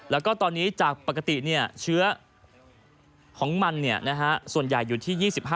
แล้วก็ตอนนี้จากปกติเชื้อของมันส่วนใหญ่อยู่ที่๒๕